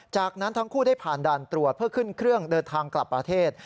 จากนั้นทั้งคู่ได้ผ่านด่านตรวจเพื่อขึ้นเครื่องเดินทางกลับประเทศ